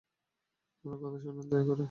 আমার কথা শোনেন, দয়া করে যান।